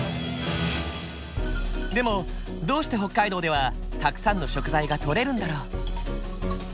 でもどうして北海道ではたくさんの食材がとれるんだろう？